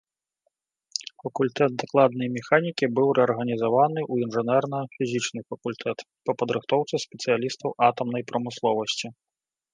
Факультэт дакладнай механікі быў рэарганізаваны ў інжынерна-фізічны факультэт па падрыхтоўцы спецыялістаў атамнай прамысловасці.